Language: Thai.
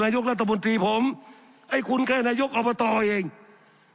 นายกรัฐบาลพยาบตรีผมไอ้คุณแค่นายกอบตเห็นไหม